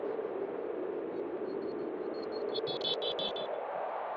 একদিন তোমার জীবের রক্ত তুমি দেখিতে পাও নাই বলিয়া এত ভ্রূকুটি?